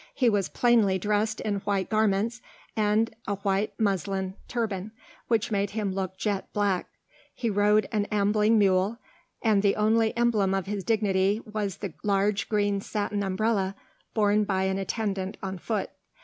He was plainly dressed in white garments and a white muslin turban, which made him look jet black; he rode an ambling mule, and the only emblem of his dignity was the large green satin umbrella borne by an attendant on foot.